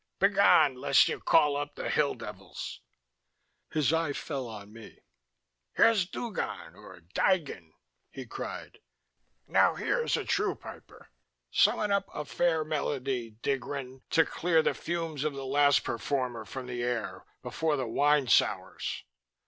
"Begone, lest you call up the hill devils " His eye fell on me. "Here's Dugon, or Digen," he cried. "Now here's a true piper. Summon up a fair melody, Dgron, to clear the fumes of the last performer from the air before the wine sours."